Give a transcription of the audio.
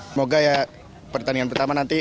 semoga ya pertandingan pertama nanti